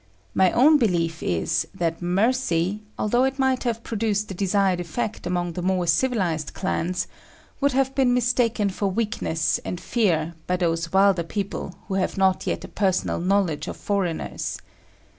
My own belief is that mercy, although it might have produced the desired effect among the more civilized clans, would have been mistaken for weakness and fear by those wilder people who have not yet a personal knowledge of foreigners.